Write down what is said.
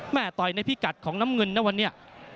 ต่อยในพิกัดของน้ำเงินนะวันนี้